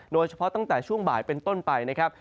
โดยเฉพาะตั้งแต่ช่วงบ่ายเป็นต้นไปนะครับ